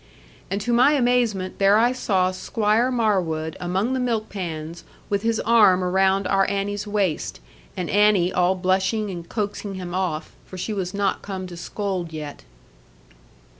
And to my amazement there I saw Squire Marwood among the milk pans with his arm around our Annie's waist, and Annie all blushing and coaxing him off, for she was not come to scold yet.